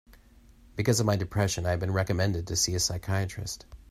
Because of my depression, I have been recommended to see a psychiatrist.